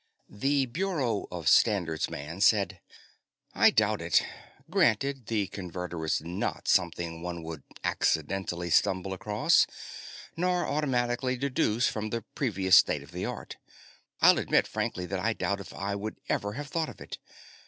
The Bureau of Standards man said: "I doubt it. Granted, the Converter is not something one would accidentally stumble across, nor automatically deduce from the 'previous state of the art'. I'll admit frankly that I doubt if I would ever have thought of it.